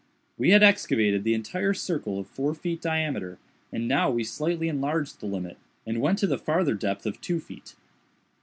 We had excavated the entire circle of four feet diameter, and now we slightly enlarged the limit, and went to the farther depth of two feet.